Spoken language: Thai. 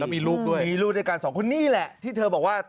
มีลูกด้วยมีลูกด้วยกันสองคนนี่แหละที่เธอบอกว่า